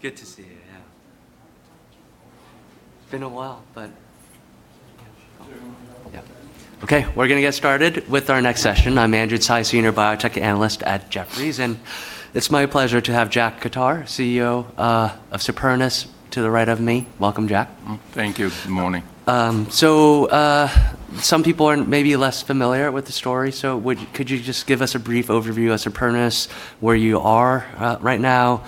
Good to see you. Yeah. It's been a while, but yeah. Okay, we're going to get started with our next session. I'm Andrew Tsai, Senior Biotech Analyst at Jefferies, and it's my pleasure to have Jack Khattar, CEO of Supernus, to the right of me. Welcome, Jack. Thank you. Good morning. Some people are maybe less familiar with the story, could you just give us a brief overview of Supernus, where you are right now?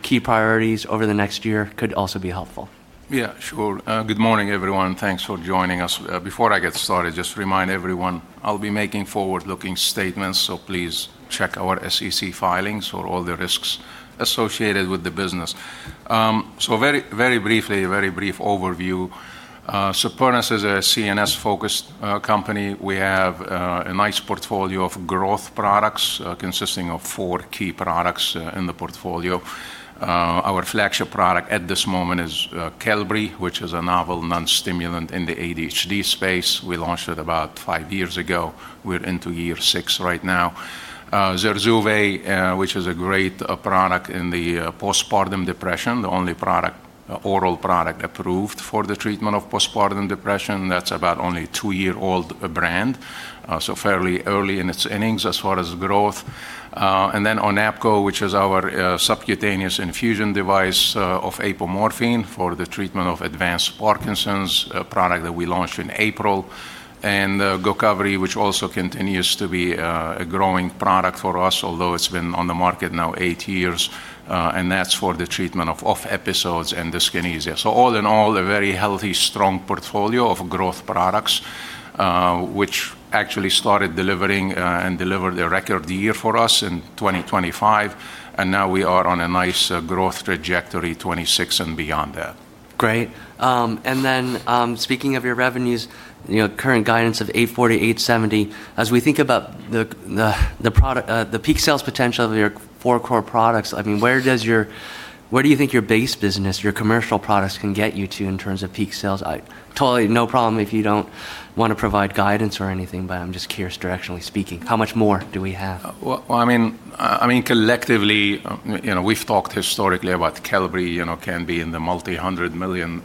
Key priorities over the next year could also be helpful. Yeah, sure. Good morning, everyone. Thanks for joining us. Before I get started, just remind everyone, I'll be making forward-looking statements, so please check our SEC filings for all the risks associated with the business. Very briefly, a very brief overview. Supernus is a CNS-focused company. We have a nice portfolio of growth products consisting of four key products in the portfolio. Our flagship product at this moment is Qelbree, which is a novel non-stimulant in the ADHD space. We launched it about five years ago. We're into year six right now. ZURZUVAE, which is a great product in the postpartum depression, the only oral product approved for the treatment of postpartum depression. That's about only a two-year-old brand, so fairly early in its innings as far as growth. Onapgo, which is our subcutaneous infusion device of apomorphine for the treatment of advanced Parkinson's, a product that we launched in April. GOCOVRI, which also continues to be a growing product for us, although it's been on the market now eight years, and that's for the treatment of OFF episodes and dyskinesia. All in all, a very healthy, strong portfolio of growth products, which actually started delivering and delivered a record year for us in 2025, and now we are on a nice growth trajectory 2026 and beyond that. Great. Speaking of your revenues, current guidance of $840 million-$870 million. As we think about the peak sales potential of your four core products, where do you think your base business, your commercial products can get you to in terms of peak sales? Totally no problem if you don't want to provide guidance or anything. I'm just curious directionally speaking, how much more do we have? Well, collectively, we've talked historically about Qelbree can be in the multi-hundred million.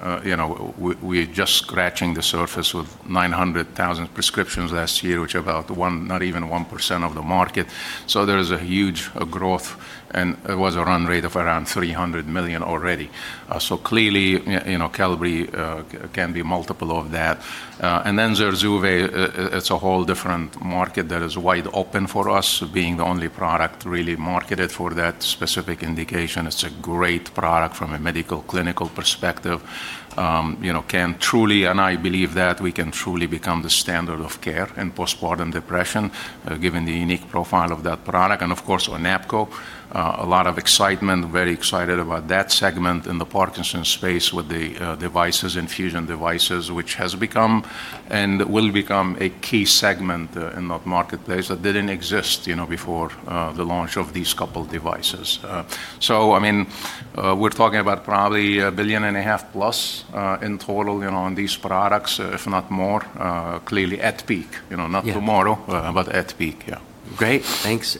We're just scratching the surface with 900,000 prescriptions last year, which are about not even 1% of the market. There is a huge growth, and it was a run rate of around $300 million already. Clearly, Qelbree can be multiple of that. ZURZUVAE, it's a whole different market that is wide open for us, being the only product really marketed for that specific indication. It's a great product from a medical clinical perspective. I believe that we can truly become the standard of care in postpartum depression, given the unique profile of that product. Of course, Onapgo, a lot of excitement, very excited about that segment in the Parkinson's space with the infusion devices, which has become and will become a key segment in that marketplace that didn't exist before the launch of these couple devices. We're talking about probably $1.5 billion+ in total on these products, if not more, clearly at peak. Yeah. Not tomorrow, but at peak. Yeah. Great. Thanks.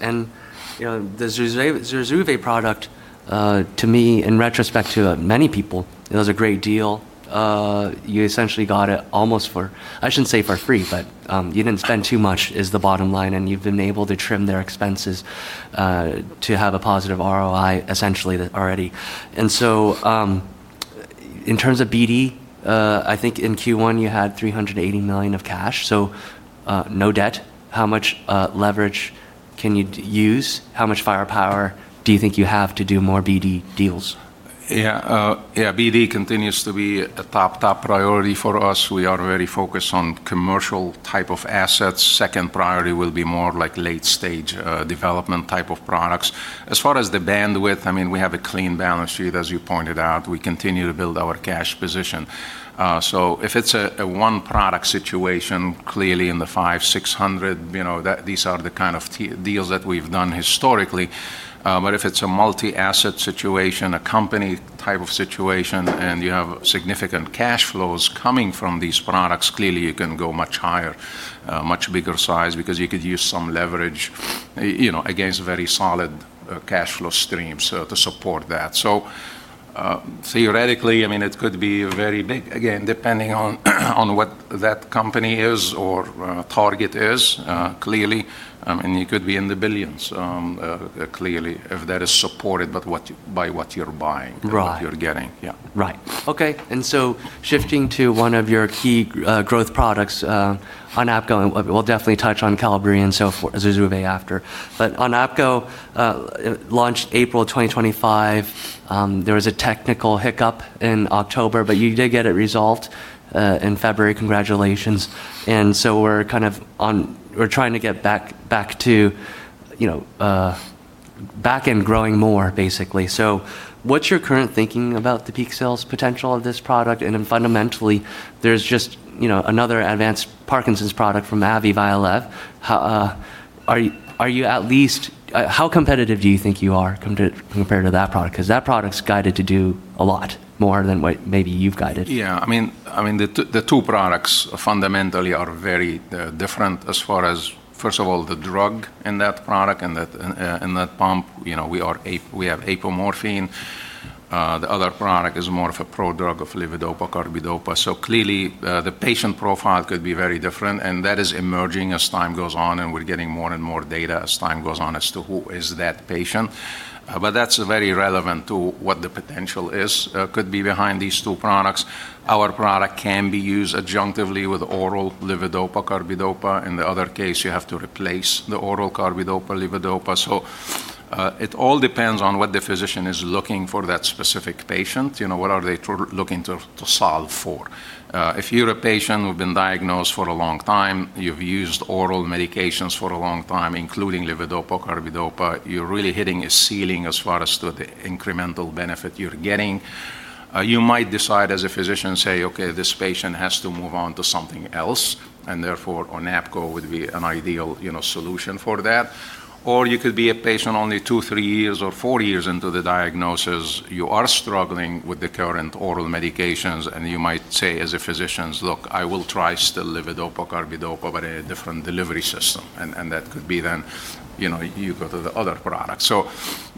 The ZURZUVAE product, to me, in retrospect to many people, it was a great deal. You essentially got it almost for, I shouldn't say for free, but you didn't spend too much is the bottom line, and you've been able to trim their expenses to have a positive ROI essentially already. In terms of BD, I think in Q1 you had $380 million of cash, so no debt. How much leverage can you use? How much firepower do you think you have to do more BD deals? Yeah. BD continues to be a top priority for us. We are very focused on commercial type of assets. Second priority will be more late-stage development type of products. As far as the bandwidth, we have a clean balance sheet, as you pointed out. We continue to build our cash position. If it's a one-product situation, clearly in the $500, $600, these are the kind of deals that we've done historically. If it's a multi-asset situation, a company type of situation, and you have significant cash flows coming from these products, clearly you can go much higher, much bigger size because you could use some leverage against very solid cash flow streams to support that. Theoretically, it could be very big. Again, depending on what that company is or target is, clearly, and you could be in the billions, clearly, if that is supported by what you're buying. Right What you're getting. Yeah. Right. Okay, shifting to one of your key growth products, Onapgo, and we'll definitely touch on Qelbree and ZURZUVAE after. Onapgo launched April 2025. There was a technical hiccup in October, but you did get it resolved in February. Congratulations. We're trying to get back and growing more, basically. What's your current thinking about the peak sales potential of this product? Fundamentally, there's just another advanced Parkinson's product from AbbVie, VYALEV. How competitive do you think you are compared to that product? Because that product's guided to do a lot more than what maybe you've guided. Yeah. The two products fundamentally are very different as far as, first of all, the drug in that product and in that pump. We have apomorphine. The other product is more of a prodrug of levodopa carbidopa. Clearly, the patient profile could be very different, and that is emerging as time goes on, and we're getting more and more data as time goes on as to who is that patient. That's very relevant to what the potential is, could be behind these two products. Our product can be used adjunctively with oral levodopa carbidopa. In the other case, you have to replace the oral carbidopa levodopa. It all depends on what the physician is looking for that specific patient. What are they looking to solve for? If you're a patient who's been diagnosed for a long time, you've used oral medications for a long time, including levodopa carbidopa, you're really hitting a ceiling as far as to the incremental benefit you're getting. You might decide as a physician, say, "Okay, this patient has to move on to something else," therefore Onapgo would be an ideal solution for that. You could be a patient only two, three years, or four years into the diagnosis. You are struggling with the current oral medications, you might say as a physician, "Look, I will try still levodopa carbidopa but in a different delivery system." That could be then, you go to the other product.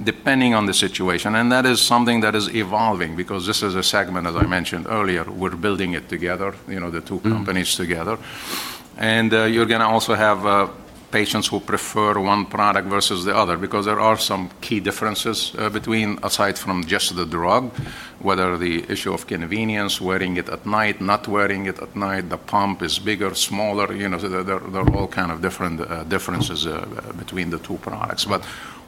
Depending on the situation. That is something that is evolving because this is a segment, as I mentioned earlier, we're building it together, the two companies together. You're going to also have patients who prefer one product versus the other because there are some key differences between, aside from just the drug, whether the issue of convenience, wearing it at night, not wearing it at night, the pump is bigger, smaller. There are all kind of differences between the two products.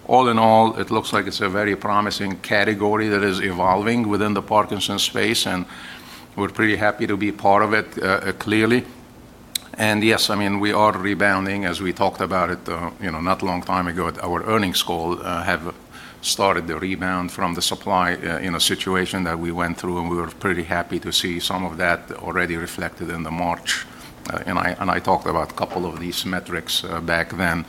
All in all, it looks like it's a very promising category that is evolving within the Parkinson's space, and we're pretty happy to be part of it, clearly. Yes, we are rebounding, as we talked about it not a long time ago at our earnings call, have started the rebound from the supply in a situation that we went through, and we were pretty happy to see some of that already reflected in the March. I talked about a couple of these metrics back then.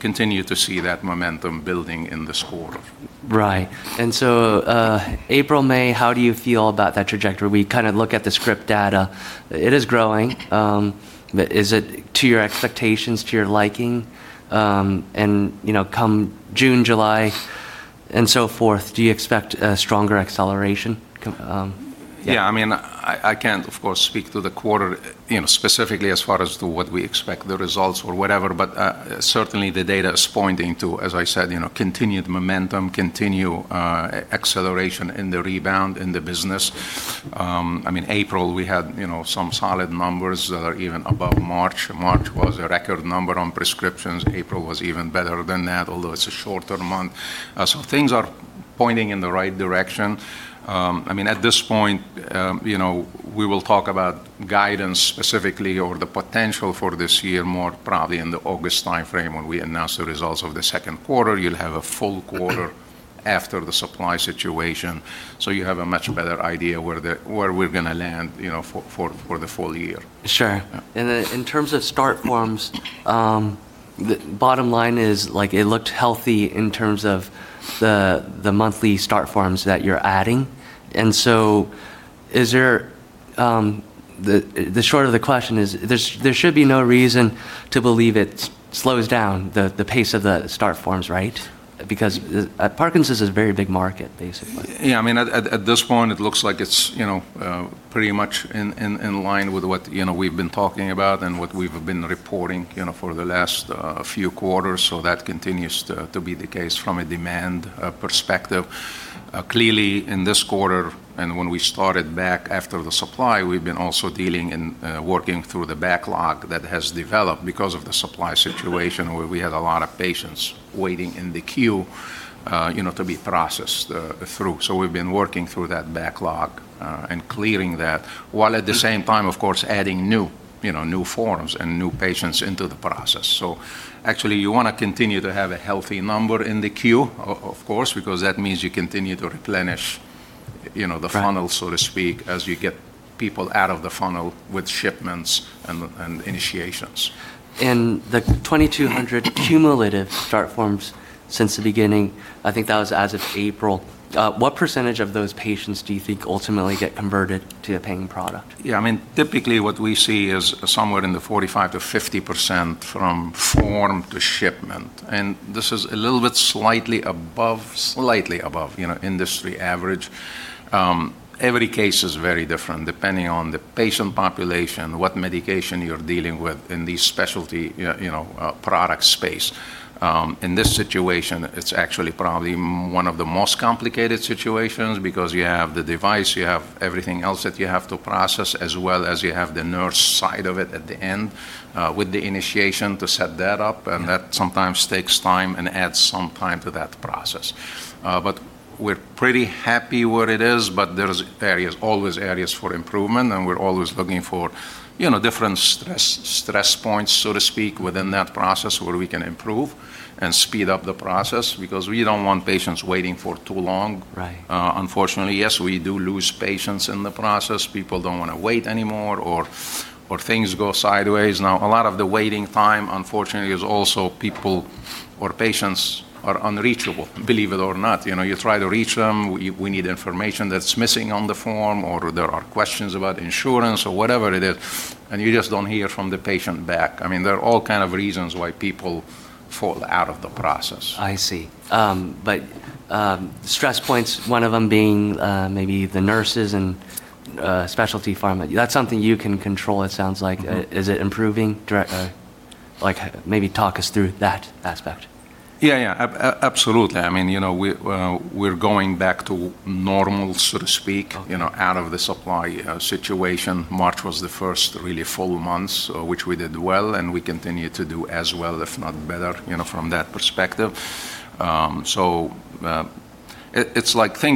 Continue to see that momentum building in this quarter. Right. April, May, how do you feel about that trajectory? We look at the script data. It is growing. Is it to your expectations, to your liking? Come June, July, and so forth, do you expect a stronger acceleration? Yeah. I can't, of course, speak to the quarter specifically as far as to what we expect the results or whatever. Certainly the data is pointing to, as I said, continued momentum, continued acceleration in the rebound in the business. April, we had some solid numbers that are even above March. March was a record number on prescriptions. April was even better than that, although it's a shorter month. Things are pointing in the right direction. At this point, we will talk about guidance specifically or the potential for this year more probably in the August timeframe when we announce the results of the second quarter. You'll have a full quarter after the supply situation. You have a much better idea where we're going to land for the full year. Sure. In terms of start forms, the bottom line is it looked healthy in terms of the monthly start forms that you're adding. The short of the question is there should be no reason to believe it slows down the pace of the start forms, right? Because Parkinson's is a very big market, basically. At this point, it looks like it's pretty much in line with what we've been talking about and what we've been reporting for the last few quarters. That continues to be the case from a demand perspective. In this quarter, and when we started back after the supply, we've been also dealing and working through the backlog that has developed because of the supply situation where we had a lot of patients waiting in the queue to be processed through. We've been working through that backlog, and clearing that, while at the same time, of course, adding new forms and new patients into the process. Actually, you want to continue to have a healthy number in the queue, of course, because that means you continue to replenish- Right The funnel, so to speak, as you get people out of the funnel with shipments and initiations. The 2,200 cumulative start forms since the beginning, I think that was as of April. What percentage of those patients do you think ultimately get converted to a paying product? Yeah. Typically what we see is somewhere in the 45%-50% from form to shipment. This is a little bit slightly above industry average. Every case is very different depending on the patient population, what medication you're dealing with in the specialty product space. In this situation, it's actually probably one of the most complicated situations because you have the device, you have everything else that you have to process, as well as you have the nurse side of it at the end, with the initiation to set that up, that sometimes takes time and adds some time to that process. We're pretty happy where it is, there is always areas for improvement, we're always looking for different stress points, so to speak, within that process where we can improve and speed up the process because we don't want patients waiting for too long. Right. Unfortunately, yes, we do lose patients in the process. People don't want to wait anymore or things go sideways. A lot of the waiting time, unfortunately, is also people or patients are unreachable, believe it or not. You try to reach them. We need information that's missing on the form, or there are questions about insurance or whatever it is, and you just don't hear from the patient back. There are all kind of reasons why people fall out of the process. I see. Stress points, one of them being maybe the nurses and specialty pharma. That's something you can control it sounds like. Is it improving directly? Maybe talk us through that aspect. Yeah. Absolutely. We're going back to normal, so to speak, out of the supply situation. March was the first really full month, which we did well, and we continue to do as well, if not better, from that perspective. Think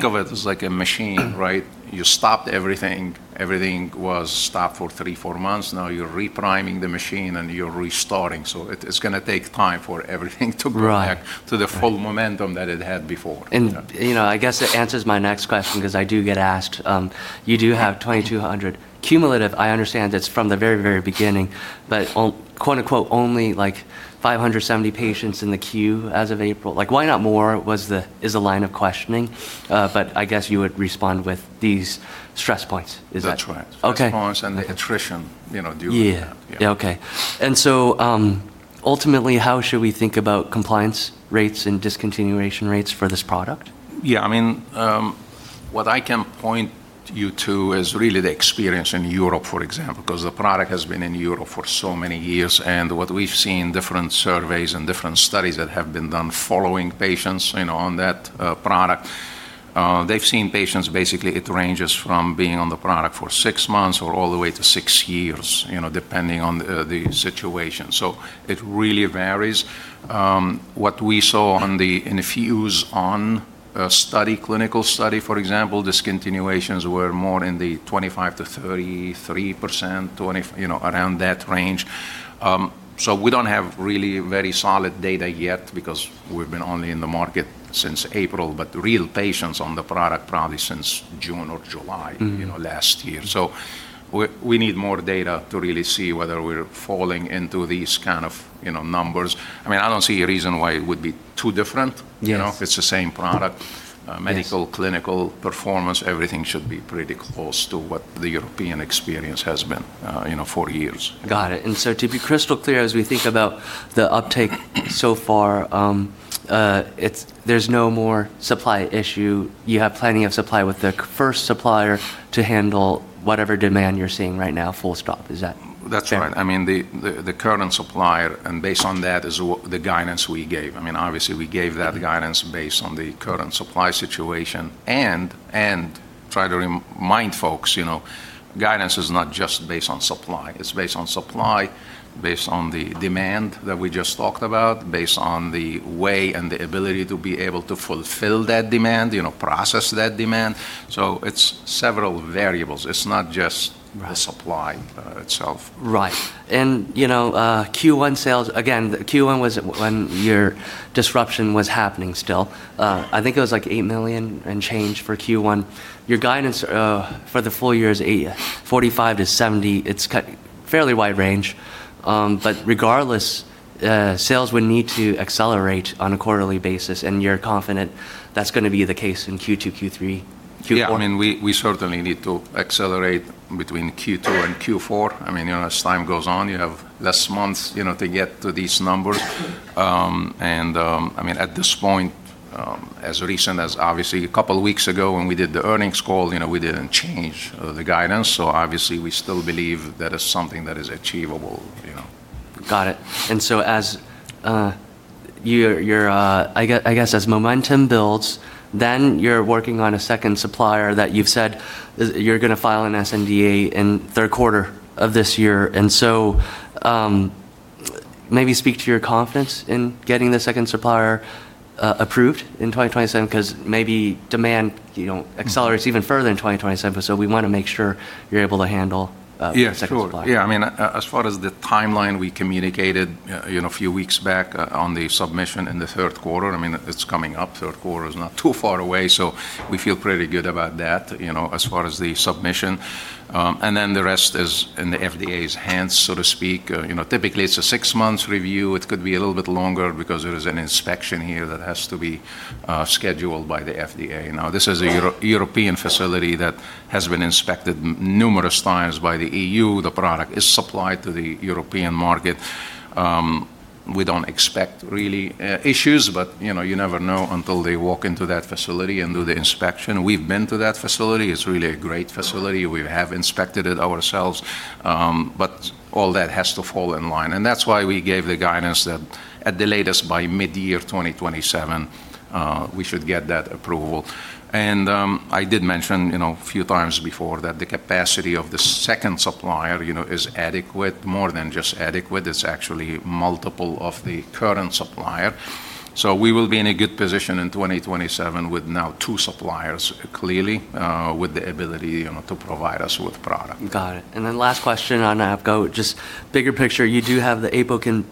of it as like a machine, right? You stopped everything. Everything was stopped for three, four months. Now you're re-priming the machine and you're restarting, so it's going to take time for everything. Right To the full momentum that it had before. I guess it answers my next question, because I do get asked, you do have 2,200 cumulative, I understand that's from the very, very beginning, but quote unquote, "Only 570 patients in the queue as of April." Like, why not more? Is a line of questioning. But I guess you would respond with these stress points. Is that? That's right. Okay. Stress points and the attrition during that. Yeah. Yeah. Yeah. Okay. Ultimately, how should we think about compliance rates and discontinuation rates for this product? Yeah. What I can point you to is really the experience in Europe, for example, because the product has been in Europe for so many years, and what we've seen, different surveys and different studies that have been done following patients on that product, they've seen patients, basically it ranges from being on the product for six months or all the way to six years, depending on the situation. It really varies. What we saw on the InfusiON study, clinical study, for example, discontinuations were more in the 25%-33%, around that range. We don't have really very solid data yet because we've been only in the market since April, but the real patients on the product probably since June or July. Last year. We need more data to really see whether we're falling into these kind of numbers. I don't see a reason why it would be too different. Yes. It's the same product. Yes. Medical, clinical performance, everything should be pretty close to what the European experience has been for years. Got it. To be crystal clear, as we think about the uptake so far, there's no more supply issue. You have plenty of supply with the first supplier to handle whatever demand you're seeing right now, full stop. Is that fair? That's right. The current supplier. Based on that is the guidance we gave. Obviously we gave that guidance based on the current supply situation. Try to remind folks, guidance is not just based on supply. It's based on supply, based on the demand that we just talked about, based on the way and the ability to be able to fulfill that demand, process that demand. It's several variables. Right The supply itself. Right. Q1 sales, again, Q1 was when your disruption was happening still. I think it was like $8 million and change for Q1. Your guidance for the full year is $45 million-$70 million. It's fairly wide range. Regardless, sales would need to accelerate on a quarterly basis and you're confident that's going to be the case in Q2, Q3, Q4? Yeah. We certainly need to accelerate between Q2 and Q4. As time goes on, you have less months to get to these numbers. At this point, as recent as obviously a couple of weeks ago when we did the earnings call, we didn't change the guidance, so obviously we still believe that is something that is achievable. Got it. I guess as momentum builds, then you're working on a second supplier that you've said you're going to file an sNDA in third quarter of this year. Maybe speak to your confidence in getting the second supplier approved in 2027, because maybe demand accelerates even further in 2027, but so we want to make sure you're able to handle-. Yeah, sure. The second supplier. Yeah. As far as the timeline, we communicated a few weeks back on the submission in the third quarter. It's coming up. Third quarter is not too far away, so we feel pretty good about that as far as the submission. Then the rest is in the FDA's hands, so to speak. Typically, it's a six months review. It could be a little bit longer because there is an inspection here that has to be scheduled by the FDA. Now, this is a European facility that has been inspected numerous times by the EU. The product is supplied to the European market. We don't expect really issues, but you never know until they walk into that facility and do the inspection. We've been to that facility. It's really a great facility. We have inspected it ourselves. All that has to fall in line. That's why we gave the guidance that at the latest by mid-year 2027, we should get that approval. I did mention a few times before that the capacity of the second supplier is adequate, more than just adequate, it's actually multiple of the current supplier. We will be in a good position in 2027 with now two suppliers clearly, with the ability to provide us with product. Got it. Last question on Onapgo, just bigger picture, you do have the APOKYN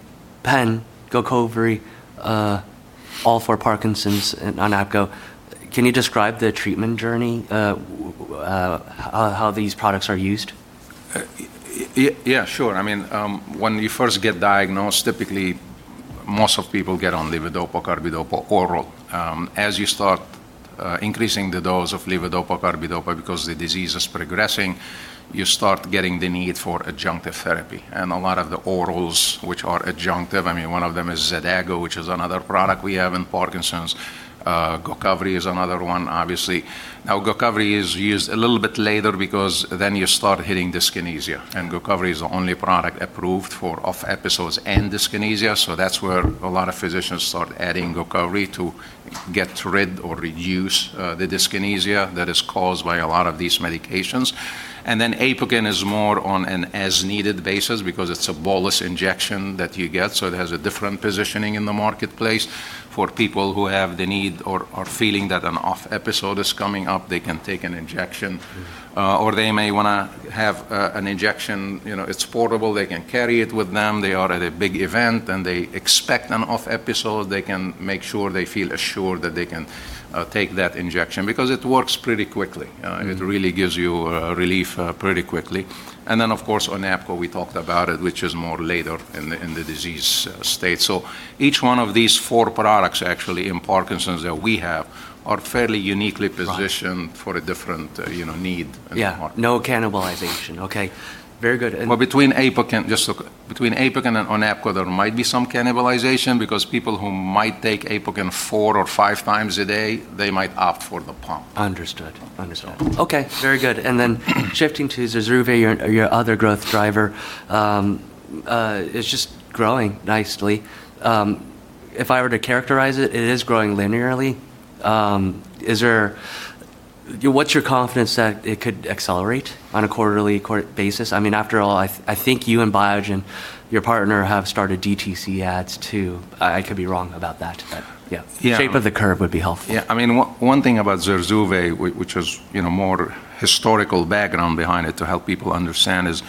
pen, GOCOVRI, all for Parkinson's on Onapgo. Can you describe the treatment journey, how these products are used? Yeah, sure. When you first get diagnosed, typically most of people get on levodopa carbidopa oral. As you start increasing the dose of levodopa carbidopa because the disease is progressing, you start getting the need for adjunctive therapy. A lot of the orals, which are adjunctive, one of them is XADAGO, which is another product we have in Parkinson's. GOCOVRI is another one, obviously. GOCOVRI is used a little bit later because then you start hitting dyskinesia, GOCOVRI is the only product approved for OFF episodes and dyskinesia. That's where a lot of physicians start adding GOCOVRI to get rid or reduce the dyskinesia that is caused by a lot of these medications. APOKYN is more on an as-needed basis because it's a bolus injection that you get, so it has a different positioning in the marketplace for people who have the need or are feeling that an OFF episode is coming up. They can take an injection, or they may want to have an injection. It's portable. They can carry it with them. They are at a big event, and they expect an OFF episode. They can make sure they feel assured that they can take that injection because it works pretty quickly. It really gives you relief pretty quickly. Of course, Onapgo, we talked about it, which is more later in the disease state. Each one of these four products actually in Parkinson's that we have are fairly uniquely positioned- Right For a different need in the market. Yeah. No cannibalization. Okay, very good. Well, between APOKYN and Onapgo, there might be some cannibalization because people who might take APOKYN four or five times a day, they might opt for the pump. Understood. Okay. Very good. Shifting to Zurzuvae, your other growth driver. It's just growing nicely. If I were to characterize it is growing linearly. What's your confidence that it could accelerate on a quarterly basis? After all, I think you and Biogen, your partner, have started DTC ads too. I could be wrong about that. Yeah. Shape of the curve would be helpful. Yeah. One thing about ZURZUVAE, which is more historical background behind it to help people understand, is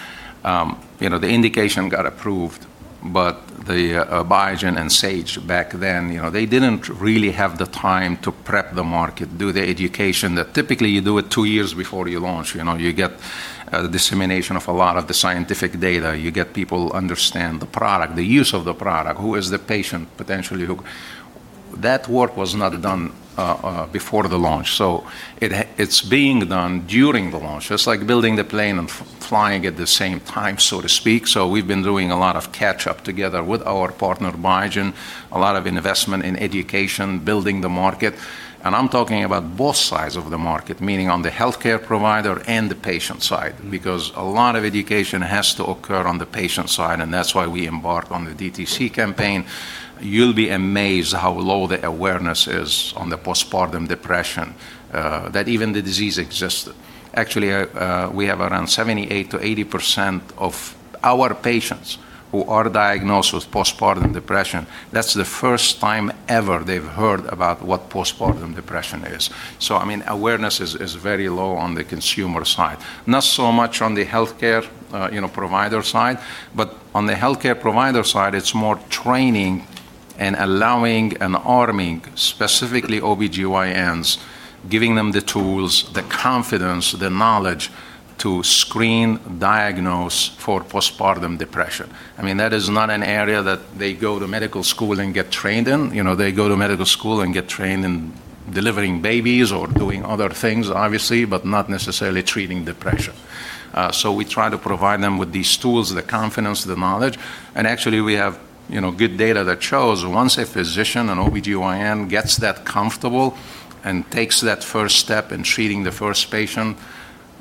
the indication got approved. Biogen and Sage back then didn't really have the time to prep the market, do the education that typically you do it two years before you launch. You get the dissemination of a lot of the scientific data. You get people understand the product, the use of the product. Who is the patient, potentially? That work was not done before the launch. It's being done during the launch. It's like building the plane and flying at the same time, so to speak. We've been doing a lot of catch-up together with our partner, Biogen, a lot of investment in education, building the market. I'm talking about both sides of the market, meaning on the healthcare provider and the patient side, because a lot of education has to occur on the patient side, and that's why we embark on the DTC campaign. You'll be amazed how low the awareness is on the postpartum depression, that even the disease exists. Actually, we have around 78%-80% of our patients who are diagnosed with postpartum depression. That's the first time ever they've heard about what postpartum depression is. Awareness is very low on the consumer side. Not so much on the healthcare provider side, but on the healthcare provider side, it's more training and allowing and arming, specifically OB-GYNs, giving them the tools, the confidence, the knowledge to screen, diagnose for postpartum depression. That is not an area that they go to medical school and get trained in. They go to medical school and get trained in delivering babies or doing other things, obviously, but not necessarily treating depression. We try to provide them with these tools, the confidence, the knowledge. Actually, we have good data that shows once a physician, an OB-GYN, gets that comfortable and takes that first step in treating the first patient,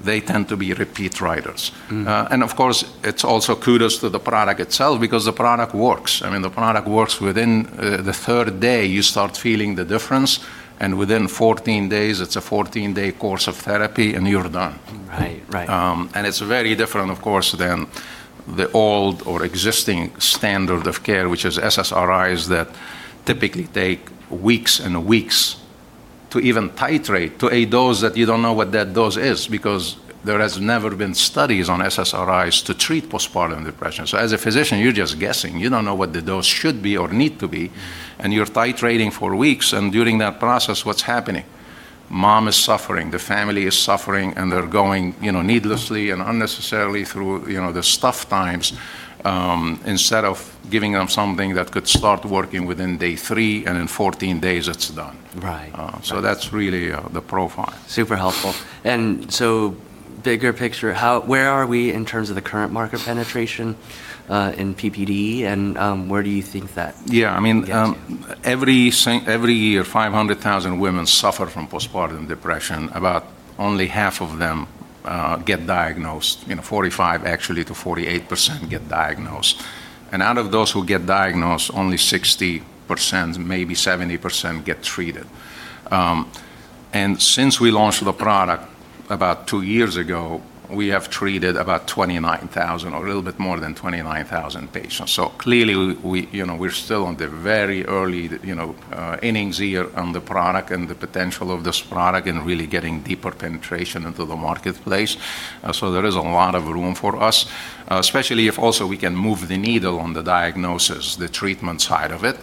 they tend to be repeat writers. Of course, it's also kudos to the product itself because the product works. The product works within the third day, you start feeling the difference, and within 14 days, it's a 14-day course of therapy, and you're done. Right. It's very different, of course, than the old or existing standard of care, which is SSRIs that typically take weeks and weeks to even titrate to a dose that you don't know what that dose is because there has never been studies on SSRIs to treat postpartum depression. As a physician, you're just guessing. You don't know what the dose should be or need to be, and you're titrating for weeks, and during that process, what's happening? Mom is suffering, the family is suffering, and they're going needlessly and unnecessarily through the tough times, instead of giving them something that could start working within day three and in 14 days it's done. Right. That's really the profile. Super helpful. Bigger picture, where are we in terms of the current market penetration, in PPD? Yeah Will get to? Every year, 500,000 women suffer from postpartum depression. About only half of them get diagnosed. 45% actually-48% get diagnosed. Out of those who get diagnosed, only 60%, maybe 70% get treated. Since we launched the product about two years ago, we have treated about 29,000 or a little bit more than 29,000 patients. Clearly, we're still on the very early innings here on the product and the potential of this product and really getting deeper penetration into the marketplace. There is a lot of room for us, especially if also we can move the needle on the diagnosis, the treatment side of it,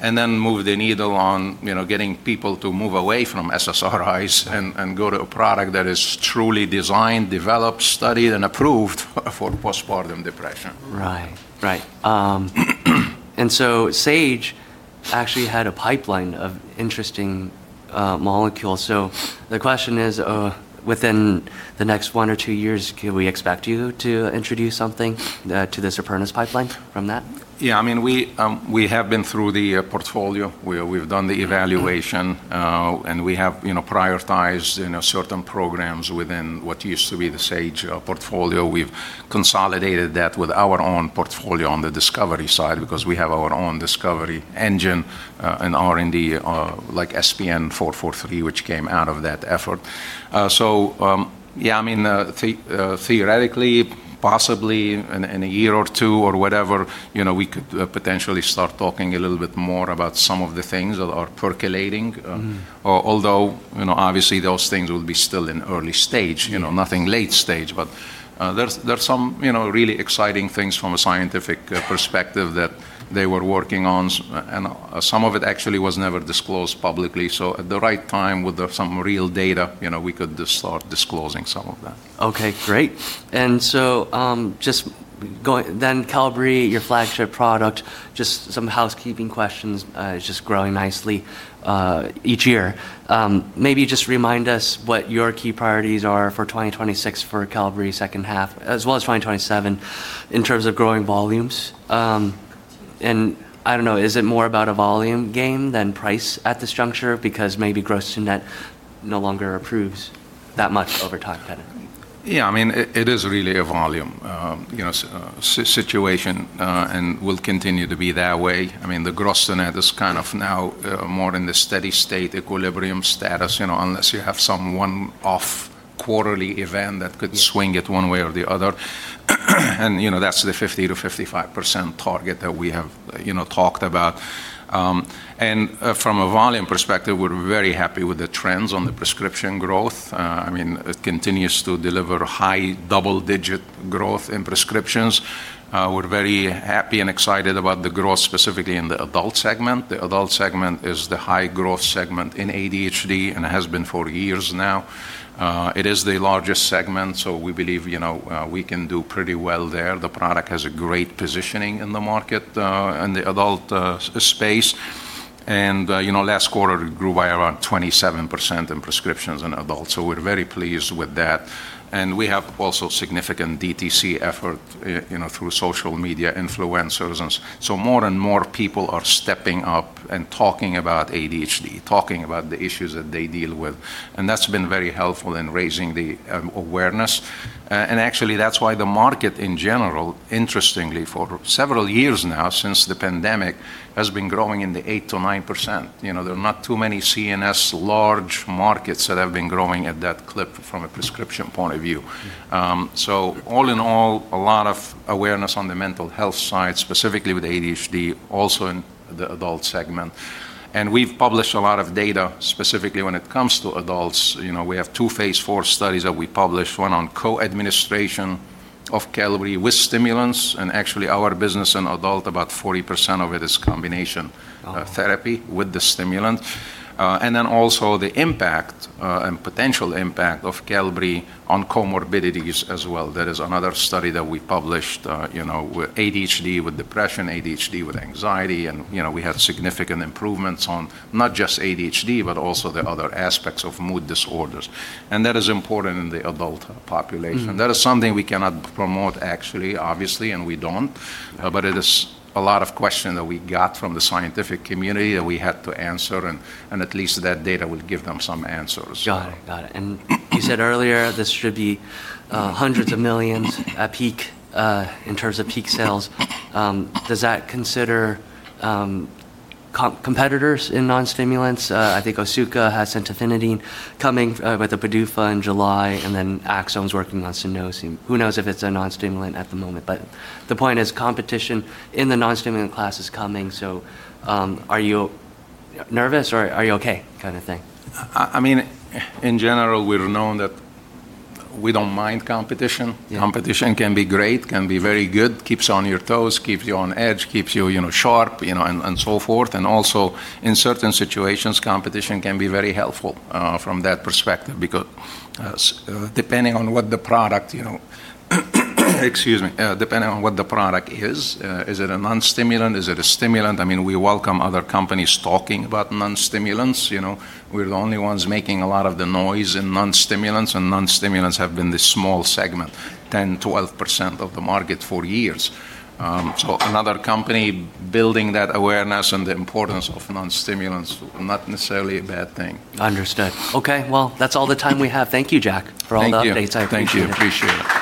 and then move the needle on getting people to move away from SSRIs and go to a product that is truly designed, developed, studied, and approved for postpartum depression. Right. Sage actually had a pipeline of interesting molecules. The question is, within the next one or two years, can we expect you to introduce something to this Supernus pipeline from that? Yeah. We have been through the portfolio. We've done the evaluation, and we have prioritized certain programs within what used to be the Sage portfolio. We've consolidated that with our own portfolio on the discovery side because we have our own discovery engine, and R&D, like SPN-443, which came out of that effort. Theoretically, possibly in a year or two or whatever, we could potentially start talking a little bit more about some of the things that are percolating. Obviously those things will be still in early stage, nothing late stage. There's some really exciting things from a scientific perspective that they were working on, and some of it actually was never disclosed publicly. At the right time, with some real data, we could just start disclosing some of that. Okay, great. Then Qelbree, your flagship product, just some housekeeping questions. It's just growing nicely, each year. Maybe just remind us what your key priorities are for 2026 for Qelbree second half, as well as 2027, in terms of growing volumes. I don't know, is it more about a volume game than price at this juncture? Because maybe gross to net no longer improves that much over time kind of thing. Yeah. It is really a volume situation, and will continue to be that way. The gross to net is kind of now more in the steady state equilibrium status, unless you have some one-off quarterly event that could swing it one way or the other. That's the 50%-55% target that we have talked about. From a volume perspective, we're very happy with the trends on the prescription growth. It continues to deliver high double-digit growth in prescriptions. We're very happy and excited about the growth specifically in the adult segment. The adult segment is the high-growth segment in ADHD and has been for years now. It is the largest segment, we believe we can do pretty well there. The product has a great positioning in the market, in the adult space. Last quarter, it grew by around 27% in prescriptions in adults. We're very pleased with that. We have also significant DTC effort through social media influencers. More and more people are stepping up and talking about ADHD, talking about the issues that they deal with. That's been very helpful in raising the awareness. Actually, that's why the market in general, interestingly, for several years now since the pandemic, has been growing in the 8%-9%. There are not too many CNS large markets that have been growing at that clip from a prescription point of view. All in all, a lot of awareness on the mental health side, specifically with ADHD, also in the adult segment. We've published a lot of data specifically when it comes to adults. We have two phase IV studies that we published, one on co-administration of Qelbree with stimulants. Actually, our business in adult, about 40% of it is combination-. Oh Therapy with the stimulant. Also the impact, and potential impact of Qelbree on comorbidities as well. That is another study that we published, with ADHD, with depression, ADHD with anxiety, and we had significant improvements on not just ADHD, but also the other aspects of mood disorders. That is important in the adult population. That is something we cannot promote actually, obviously, and we don't. It is a lot of questions that we got from the scientific community that we had to answer, and at least that data would give them some answers. Got it. You said earlier this should be hundreds of millions at peak, in terms of peak sales. Does that consider competitors in non-stimulants? I think Otsuka has centanafadine coming with the PDUFA in July, then Axsome's working on solriamfetol. Who knows if it's a non-stimulant at the moment? The point is, competition in the non-stimulant class is coming, so are you nervous or are you okay kind of thing? In general, we've known that we don't mind competition. Yeah. Competition can be great, can be very good. Keeps you on your toes, keeps you on edge, keeps you sharp, so forth. Also, in certain situations, competition can be very helpful from that perspective because depending on what the product excuse me, depending on what the product is. Is it a non-stimulant? Is it a stimulant? We welcome other companies talking about non-stimulants. We're the only ones making a lot of the noise in non-stimulants, and non-stimulants have been this small segment, 10, 12% of the market for years. Another company building that awareness on the importance of non-stimulants, not necessarily a bad thing. Understood. Okay. Well, that's all the time we have. Thank you, Jack. Thank you. For all the updates. I appreciate it. Thank you. Appreciate it.